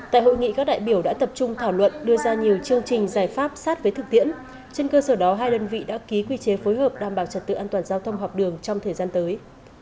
tại hội nghị các đại biểu đã tập trung thảo luận đưa ra nhiều chương trình giải pháp sát với thực tiễn trên cơ sở đó hai đơn vị đã ký quy chế phối hợp đảm bảo trật tự an toàn giao thông học đường trong thời gian tới